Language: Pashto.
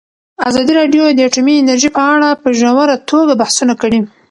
ازادي راډیو د اټومي انرژي په اړه په ژوره توګه بحثونه کړي.